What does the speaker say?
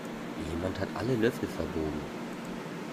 Jemand hat alle Löffel verbogen.